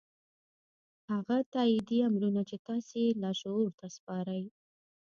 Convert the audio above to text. هغه تايیدي امرونه چې تاسې یې لاشعور ته سپارئ